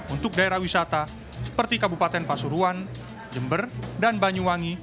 untuk daerah wisata seperti kabupaten pasuruan jember dan banyuwangi